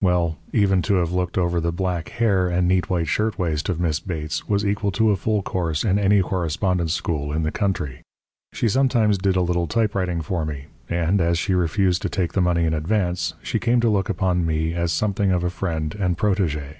Well, even to have looked over the black hair and neat white shirtwaist of Miss Bates was equal to a full course in any correspondence school in the country. She sometimes did a little typewriting for me, and, as she refused to take the money in advance, she came to look upon me as something of a friend and protégé.